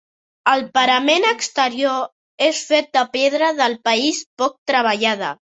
El parament exterior és fet de pedra del país poc treballada.